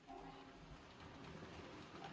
Dentro del templo, hay un retablo barroco.